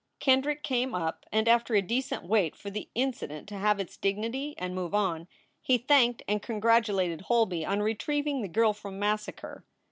Kendrick came up and, after a decent wait for the incident to have its dignity and move on, he thanked and congratu lated Holby on retrieving the girl from massacre.